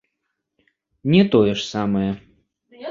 Не тое ж самае.